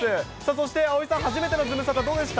そして葵さん、初めてのズムサタ、どうでした？